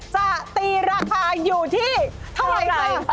จะตีราคาอยู่ที่เท่าไหร่คะ